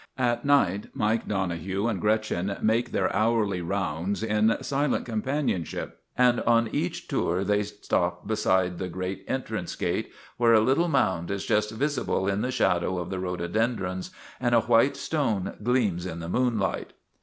At night Mike Donohue and Gretchen make their STRIKE AT TIVERTON MANOR 155 hourly rounds in silent companionship, and on each tour they stop beside the great entrance gate where a little mound is just visible in the shadow of the rhododendrons and a white stone gleams in the moonlight.